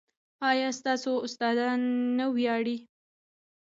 ایا ستاسو استادان نه ویاړي؟